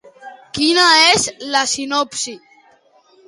Quina és la sinopsi?